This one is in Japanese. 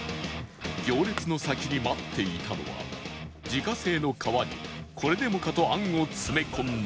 行列の先に待っていたのは自家製の皮にこれでもかと餡を詰め込んだ